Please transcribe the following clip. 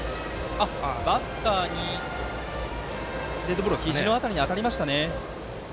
バッターのひじの辺りに当たりましたね。